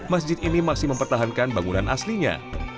masjid ini masih mempertahankan bangunan aslinya